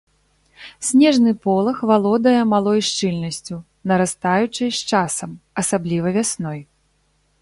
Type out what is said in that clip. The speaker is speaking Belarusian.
Снежны полаг валодае малой шчыльнасцю, нарастаючай з часам, асабліва вясной.